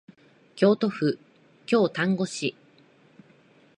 京都府京丹後市